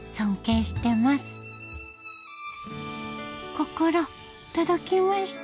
心届きました